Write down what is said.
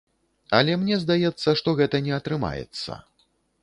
Але мне здаецца, што гэта не атрымаецца.